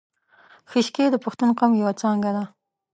خیشکي د پښتون قوم یو څانګه ده